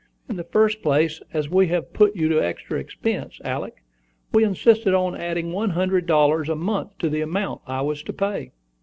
In the first place, as we have put you to extra expense, Alick, we insisted on adding one hundred dollars a month to the amount I was to pay."